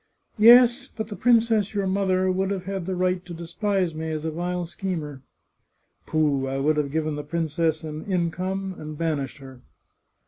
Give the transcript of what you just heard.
" Yes, but the princess, your mother, would have had the right to despise me as a vile schemer." " Pooh ! I would have given the princess an income, and banished her."